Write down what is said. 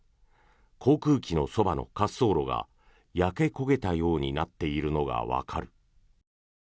航空機のそばの滑走路が焼け焦げたようになっているのがわかる。